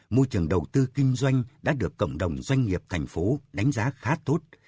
môi trường đầu tư kinh doanh đã được cộng đồng doanh nghiệp thành phố đánh giá khá tốt